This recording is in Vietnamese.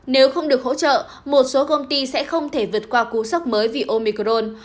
nếu không được hỗ trợ một số công ty sẽ không thể vượt qua cú sốc mới vì omicron